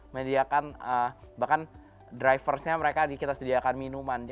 menyediakan bahkan drivers nya mereka kita sediakan minuman